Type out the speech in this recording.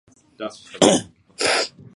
夕焼けが空を染めると、心が温かくなります。